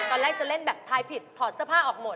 ตอนแรกจะเล่นแบบทายผิดถอดเสื้อผ้าออกหมด